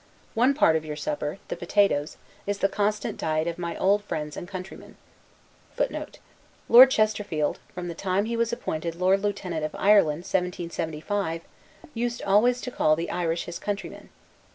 One part of your supper (the potatoes) is the constant diet of my old friends and countrymen, [Lord Chesterfield, from the time he was appointed Lord lieutenant of Ireland, 1775, used always to call the Irish his countrymen.